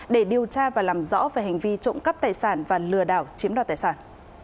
để điều tra và làm rõ về hành vi trộm cắp tài sản và lừa đảo chiếm đoạt tài sản